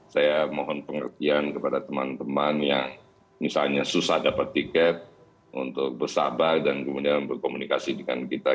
saya mohon pengertian kepada teman teman yang misalnya susah dapat tiket untuk bersabar dan kemudian berkomunikasi dengan kita